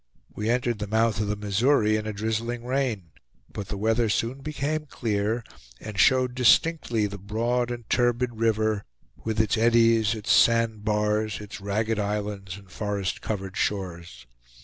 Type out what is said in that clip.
We entered the mouth of the Missouri in a drizzling rain, but the weather soon became clear, and showed distinctly the broad and turbid river, with its eddies, its sand bars, its ragged islands, and forest covered shores.